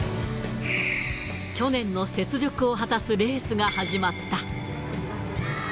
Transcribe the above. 去年の雪辱を果たすレースが始まった。